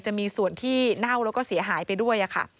จะมีส่วนที่เน่าแล้วก็เสียหายไปด้วยค่ะ